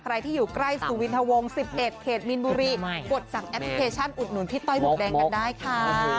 ใครที่อยู่ใกล้สุวินทะวง๑๑เขตมีนบุรีกดสั่งแอปพลิเคชันอุดหนุนพี่ต้อยหมวกแดงกันได้ค่ะ